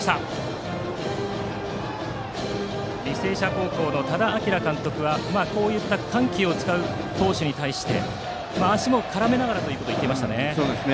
履正社高校の多田晃監督はこういった緩急を使う投手に対して足も絡めながらと言っていました。